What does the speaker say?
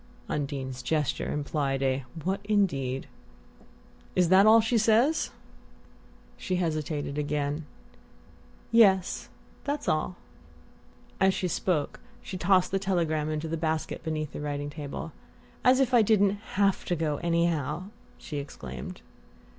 Undine's gesture implied a "What indeed?" "Is that all she says?" She hesitated again. "Yes that's all." As she spoke she tossed the telegram into the basket beneath the writing table. "As if I didn't HAVE to go anyhow?" she exclaimed.